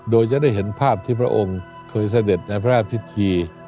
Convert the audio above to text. โดยจะได้เห็นภาพที่พระองค์เคยเสด็จในพระราชพิธี